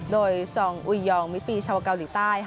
โดยซองอุยยองมิฟีชาวเกาหลีใต้